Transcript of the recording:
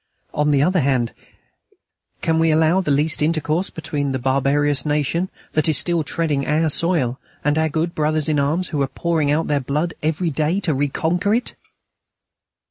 On the other hand, can we allow the least intercourse between the barbarous nation that is still treading our soil and our good brothers in arms who are pouring out their blood every day to reconquer it?"